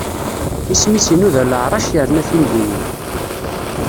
Isem-is inuda leɛrac, yerna timdinin.